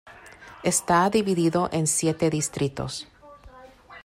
Está dividido en siete distritos.